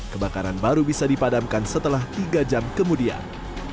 kebakaran baru bisa dipadamkan setelah tiga jam kemudian